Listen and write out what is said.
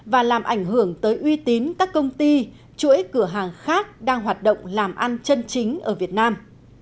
và làm ảnh hưởng tới uy tín các công ty chuỗi cửa hàng khác đang hoạt động làm ăn chân chính ở việt nam